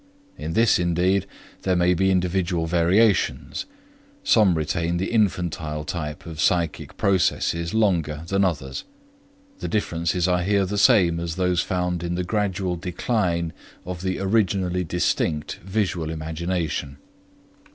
In this, indeed, there may be individual variations; some retain the infantile type of psychic processes longer than others. The differences are here the same as those found in the gradual decline of the originally distinct visual imagination.